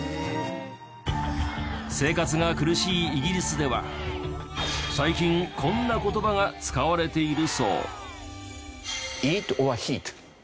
生活が苦しいイギリスでは最近こんな言葉が使われているそう。